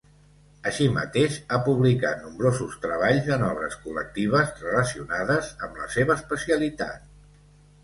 Així mateix, ha publicat nombrosos treballs en obres col·lectives relacionades amb la seva especialitat.